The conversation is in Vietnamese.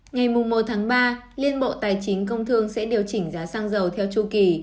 ngày một tháng ba liên bộ tài chính công thương sẽ điều chỉnh giá xăng dầu theo chu kỳ